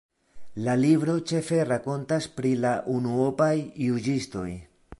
La libro ĉefe rakontas pri la unuopaj juĝistoj.